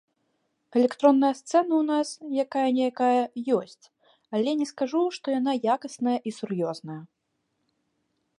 Электронная сцэна ў нас, якая-ніякая, ёсць, але не скажу, што яна якасная і сур'ёзная.